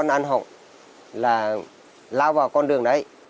nói chung là lúc đó mình đã vào con đường đấy